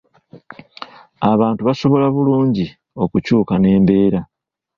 Abantu basobola bulungi okukyuka n’embeera.